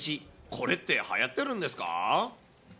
これってはやってるんですか？